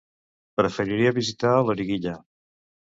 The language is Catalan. Preferiria visitar Loriguilla.